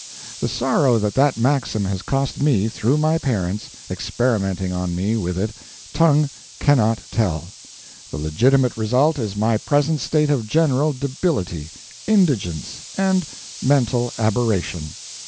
The sorrow that that maxim has cost me, through my parents, experimenting on me with it, tongue cannot tell. The legitimate result is my present state of general debility, indigence, and mental aberration.